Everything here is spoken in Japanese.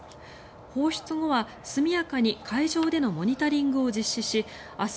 放出後は速やかに海上でのモニタリングを実施し明日